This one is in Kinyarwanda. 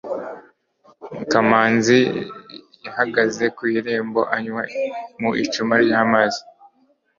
kamanzi yahagaze ku irembo, anywa mu icupa ry'amazi